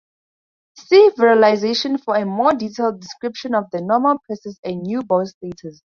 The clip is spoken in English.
See virilization for a more detailed description of the normal process and newborn status.